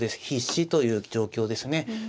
必至という状況ですね。